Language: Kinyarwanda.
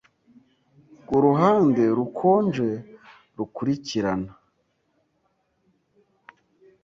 Kuruhande rukonje rukurikirana